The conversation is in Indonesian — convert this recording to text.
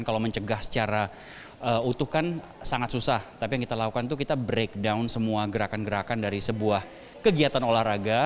kalau mencegah secara utuh kan sangat susah tapi yang kita lakukan itu kita breakdown semua gerakan gerakan dari sebuah kegiatan olahraga